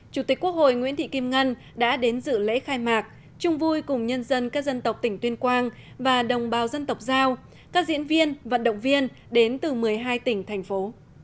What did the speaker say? chủ tịch quốc hội nguyễn thị kim ngân đã đến dự lễ khai mạc chung vui cùng nhân dân các dân tộc tỉnh tuyên quang và đồng bào dân tộc giao các diễn viên vận động viên đến từ một mươi hai tỉnh thành phố